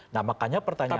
nah makanya pertanyaannya